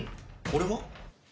俺は？